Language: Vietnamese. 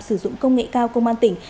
sử dụng công nghệ cao công an tỉnh